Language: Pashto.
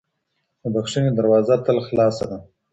د بښنې دروازه تل خلاصه ده.